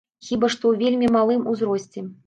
Хіба што, у вельмі малым узросце.